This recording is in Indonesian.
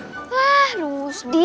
wah aduh sdi